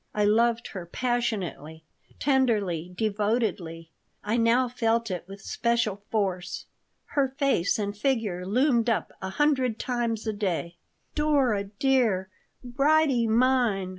I loved her passionately, tenderly, devotedly. I now felt it with special force. Her face and figure loomed up a hundred times a day. "Dora dear! Bridie mine!"